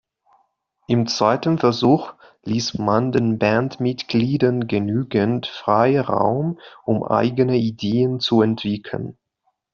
Im zweiten Versuch ließ man den Bandmitgliedern genügend Freiraum, um eigene Ideen zu entwickeln.